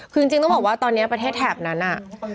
คือจริงต้องบอกว่าตอนนี้ประเทศแถบนั้นน่ะ